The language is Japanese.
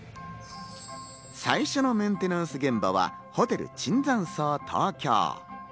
最初のメンテナンス現場は、ホテル椿山荘東京。